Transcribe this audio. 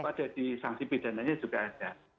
pada di sanksi pidana nya juga ada